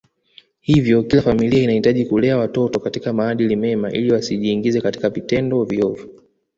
Hivyo kila familia inajitahidi kulea watoto katika maadili mema ili wasijiingize katika vitendo viovu